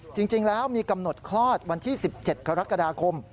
จริงแล้วมีกำหนดคลอดวันที่๑๗กรกฎาคม